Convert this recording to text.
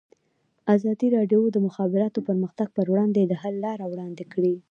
ازادي راډیو د د مخابراتو پرمختګ پر وړاندې د حل لارې وړاندې کړي.